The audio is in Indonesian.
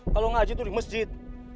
kalau ngaji itu di masjid